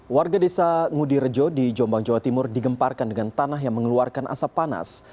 warga desa ngudi rejo di jombang jawa timur digemparkan dengan tanah yang mengeluarkan asap panas